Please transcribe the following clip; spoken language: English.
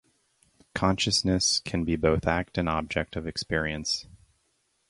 Consciousness can be both act and object of experience.